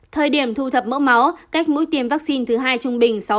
thời điểm thu thập mỡ máu cách mũi tiêm vaccine thứ hai trung bình